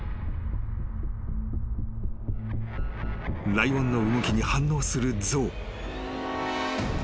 ［ライオンの動きに反応する象］